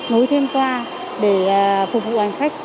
nối thêm toa để phục vụ hành khách